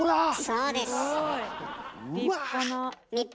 そうです。